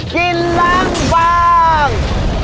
กินล้างบาง